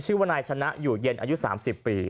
ชื่อว่านายชนะอยู่เย็นอายุ๓๐ปี